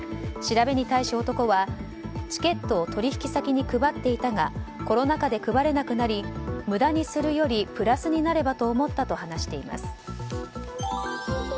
調べに対し、男はチケットを取引先に配っていたがコロナ禍で配れなくなり無駄にするよりプラスになればと思ったと話しています。